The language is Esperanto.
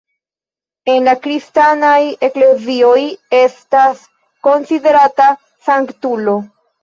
En la kristanaj eklezioj estas konsiderata sanktulo.